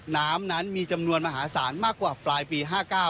น้ำนั้นมีจำนวนมหาศาลมากกว่าปลายปี๕๙